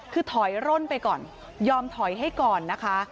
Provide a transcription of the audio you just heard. คือถอยร่นไปก่อนยอมถอยให้ก่อนนะคะ